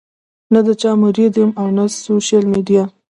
نۀ د چا مريد يم او نۀ سوشل ميډيا